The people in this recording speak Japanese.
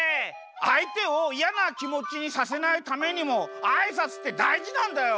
あいてをいやなきもちにさせないためにもあいさつってだいじなんだよ。